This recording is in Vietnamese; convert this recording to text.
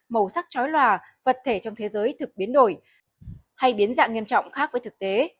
màu sắc chói lòa vật thể trong thế giới thực biến đổi hay biến dạng nghiêm trọng khác với thực tế